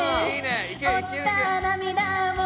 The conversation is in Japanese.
「落ちた涙も」